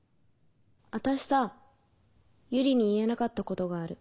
私さ友梨に言えなかったことがある。